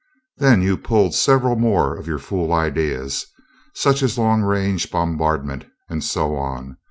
Then you pulled several more of your fool ideas, such as long range bombardment, and so on.